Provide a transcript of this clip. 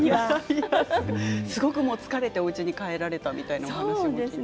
すごく疲れておうちに帰られたというお話も。